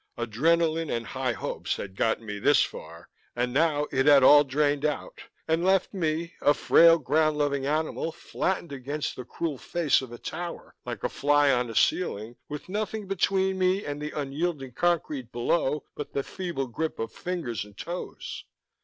Adrenalin and high hopes had gotten me this far ... and now it had all drained out and left me, a frail ground loving animal, flattened against the cruel face of a tower, like a fly on a ceiling, with nothing between me and the unyielding concrete below but the feeble grip of fingers and toes.